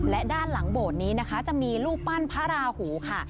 และด้านหลังโบสถ์นี้นะคะจะมีรูปปั้นพระราหูค่ะ